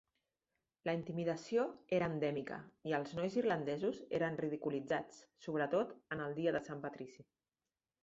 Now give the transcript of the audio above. La intimidació era endèmica i els nois irlandesos eren ridiculitzats, sobretot en el dia de Sant Patrici.